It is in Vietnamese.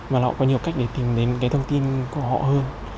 mà họ có nhiều cách để tìm đến cái thông tin của họ hơn